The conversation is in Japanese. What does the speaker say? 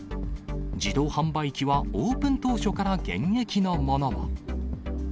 自動販売機はオープン当初から現役のものも。